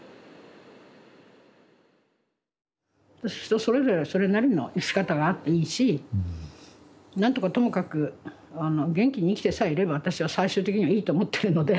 人それぞれそれなりの生き方があっていいし何とかともかくあの元気に生きてさえいれば私は最終的にはいいと思ってるので。